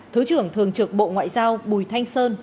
thứ trưởng thường trực bộ ngoại giao bùi thanh sơn